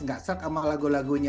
tidak set sama lagu lagunya